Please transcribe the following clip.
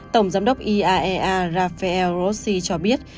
tổng giám đốc iaea rafael grossi cho biết